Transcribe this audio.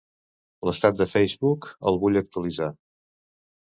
L'estat de Facebook, el vull actualitzar.